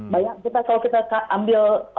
banyak kalau kita ambil